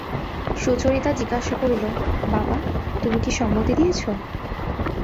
সুচরিতা জিজ্ঞাসা করিল, বাবা, তুমি কি সম্মতি দিয়েছ?